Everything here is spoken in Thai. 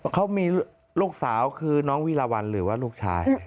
เขามีลูกสาวคือน้องวีรวรรณหรือว่าลูกชาย